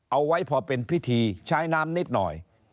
เอาไว้พอเป็นพิธีใช้น้ำนิดหน่อย